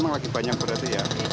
memang lagi banyak berarti ya